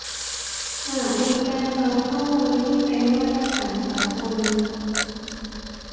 หากมีการทำข้อมูลที่เป็นมาตรฐานสากล